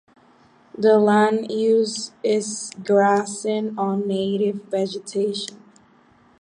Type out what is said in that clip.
The land use is grazing on native vegetation.